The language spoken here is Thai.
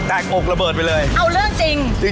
เอาเรื่องจริง